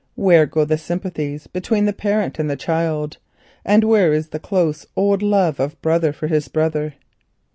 Where go the sympathies between the parent and the child, and where is the close old love of brother for his brother?